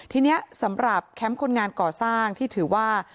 ทีนี้สำหรับแคมป์คนงานก่อสร้างที่ถือว่า